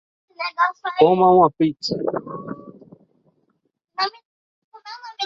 Como uma pizzaria